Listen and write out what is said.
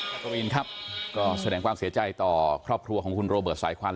กวินครับก็แสดงความเสียใจต่อครอบครัวของคุณโรเบิร์ตสายควัน